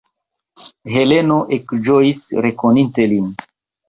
Heleno ekĝojis, rekoninte lin.